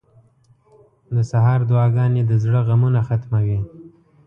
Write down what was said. • د سهار دعاګانې د زړه غمونه ختموي.